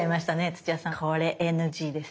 土屋さんこれＮＧです。